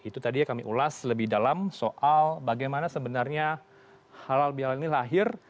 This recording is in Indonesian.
itu tadi kami ulas lebih dalam soal bagaimana sebenarnya halal bihalal ini lahir